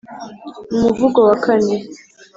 Umuvugo wa kane